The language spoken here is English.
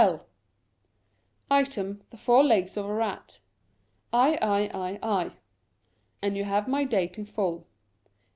L Item, the four legs of a rat .... Illl And you have my date in full